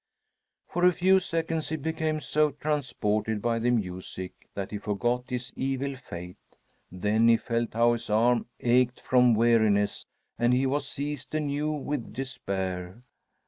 For a few seconds he became so transported by the music that he forgot his evil fate; then he felt how his arm ached from weariness and he was seized anew with despair.